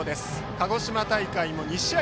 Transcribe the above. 鹿児島大会も２試合